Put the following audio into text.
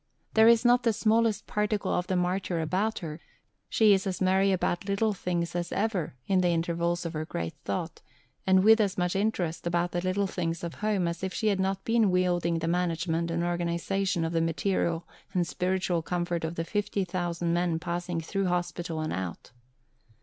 There is not the smallest particle of the martyr about her; she is as merry about little things as ever, in the intervals of her great thought, and with as much interest about the little things of home as if she had not been wielding the management and organization of the material and spiritual comfort of the 50,000 men passing through hospital and out.